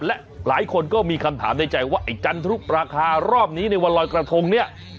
และหลายคนก็มีคำถามในใจว่าไอ้จันทรุปราคารอบนี้ในวันลอยกระทงเนี่ย